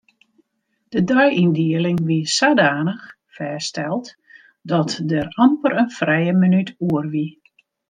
De deiyndieling wie sadanich fêststeld dat der amper in frije minút oer wie.